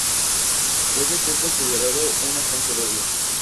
Puede ser considerado un agente doble.